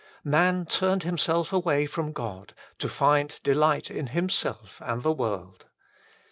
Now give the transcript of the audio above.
Man turned himself away from God to find delight in himself and the world.